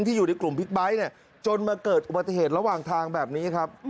อยู่ในกลุ่มบิ๊กไบท์เนี่ยจนมาเกิดอุบัติเหตุระหว่างทางแบบนี้ครับ